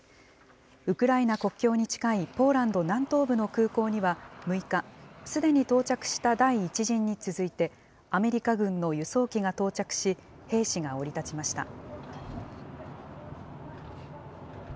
ウクライナ国境に近いポーランド南東部の空港には、６日、すでに到着した第１陣に続いて、アメリカ軍の輸送機が到着し、兵士が降り立ちました。